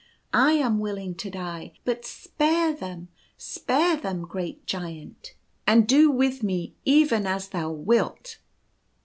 I am willing to die, but spare them. Spare them, great Giant ; 54 Knoal' s House. and do with me even as thou wilt."